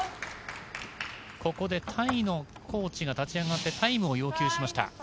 ここでタイのコーチが立ち上がってタイムを要求しました。